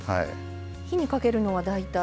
火にかけるのは大体？